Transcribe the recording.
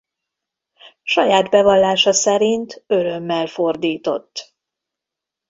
Saját bevallása szerint örömmel fordított.